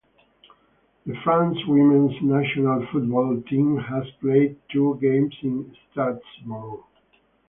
The France women's national football team has played two games in Strasbourg.